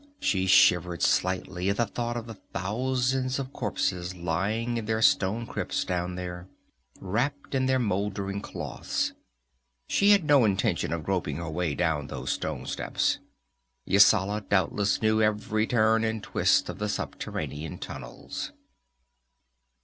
She shivered slightly at the thought of the thousands of corpses lying in their stone crypts down there, wrapped in their moldering cloths. She had no intention of groping her way down those stone steps. Yasala doubtless knew every turn and twist of the subterranean tunnels.